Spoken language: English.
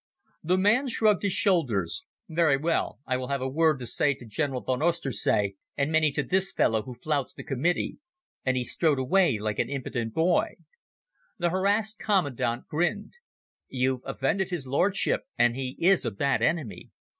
The man shrugged his shoulders. "Very well. I will have a word to say to General von Oesterzee, and many to this fellow who flouts the Committee." And he strode away like an impudent boy. The harassed commandant grinned. "You've offended his Lordship, and he is a bad enemy.